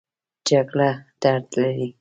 جګړه درد لري